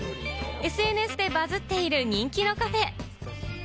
ＳＮＳでバズっている人気のカフェ。